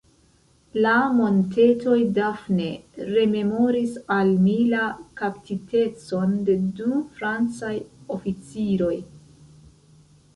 La montetoj Dafne rememoris al mi la kaptitecon de du Francaj oficiroj.